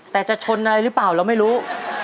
แต่จะชนอะไรหรือเปล่าเราไม่รู้